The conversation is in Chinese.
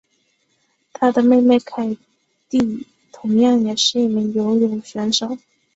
她的妹妹凯蒂同样也是一名游泳选手。